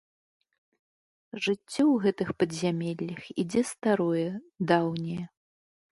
Жыццё ў гэтых падзямеллях ідзе старое, даўняе.